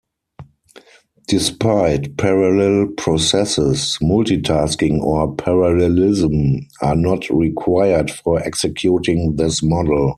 Despite parallel processes, multitasking or parallelism are not required for executing this model.